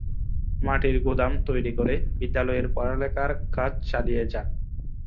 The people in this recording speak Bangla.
মাটির গুদাম তৈরী করে বিদ্যালয়ের পড়ালেখার কাজ চালিয়ে যান।